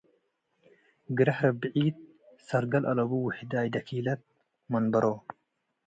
ግረህ ርብዒት ሰርገል አለቡ ወህዳይ ደኪለት መንበሮ።